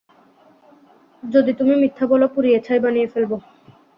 যদি তুমি মিথ্যা বলো, পুড়িয়ে ছাই বানিয়ে ফেলব!